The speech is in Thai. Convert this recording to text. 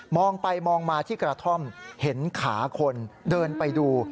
องไปมองมาที่กระท่อมเห็นขาคนเดินไปดู